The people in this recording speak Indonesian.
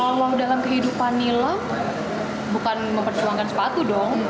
kalau dalam kehidupan nila bukan memperjuangkan sepatu dong